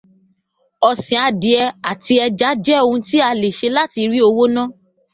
Ọ̀sìn adìẹ̀ àti ẹja jẹ́ oun tí a lè ṣe láti rí owó ná